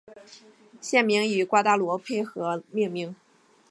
县名以瓜达卢佩河命名。